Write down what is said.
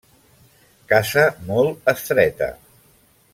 Casa molt estreta.